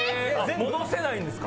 戻せないんですか？